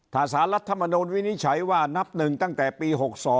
ถ้าสารรัฐมนูลวินิจฉัยว่านับหนึ่งตั้งแต่ปี๖๒